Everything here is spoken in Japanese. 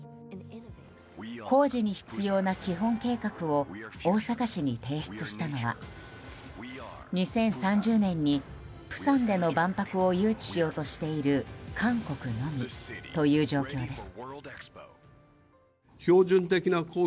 工事に必要な基本計画を大阪市に提出したのは２０３０年に釜山での万博を誘致しようとしている韓国のみという状況です。